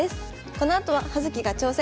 このあとは「葉月が挑戦！」。